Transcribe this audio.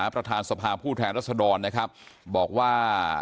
ประธานสภาผู้แทนรัศดรนะครับบอกว่า